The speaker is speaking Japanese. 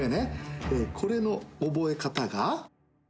これの覚え方が。